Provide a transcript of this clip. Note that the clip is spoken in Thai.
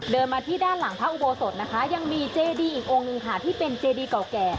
เดินมาที่ด้านหลังพระอุบัวโสดนะคะยังมีเจดีอิงโองิค่ะที่เป็นเจดีเก่าแก่